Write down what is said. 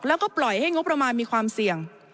แล้วก็ปล่อยให้งบประมาณมีความเสี่ยง